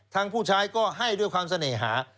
ผู้ชายก็ให้ด้วยความเสน่หา